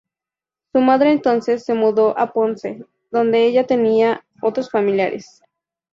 Su madre entonces se mudó a Ponce donde ella tenía otros familiares.